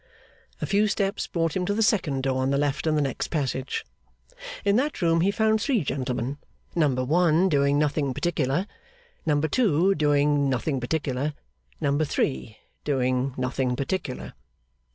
A few steps brought him to the second door on the left in the next passage. In that room he found three gentlemen; number one doing nothing particular, number two doing nothing particular, number three doing nothing particular.